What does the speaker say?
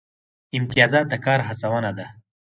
امتیازات د کار هڅونه ده